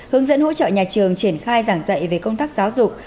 hướng dẫn hỗ trợ nhà trường triển khai giảng dạy về công tác giáo dục